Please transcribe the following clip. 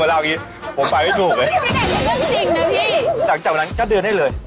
หลังจากนั้นก็เดินให้เลย